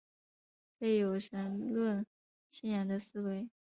非有神论信仰的思维。